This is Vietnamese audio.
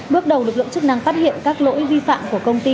bước đầu lực lượng chức năng phát hiện các lỗi vi phạm của công ty